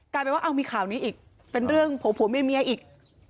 กลายเป็นว่าอ้าวมีข่าวนี้อีกเป็นเรื่องผู้ผู้เมียเมียอีก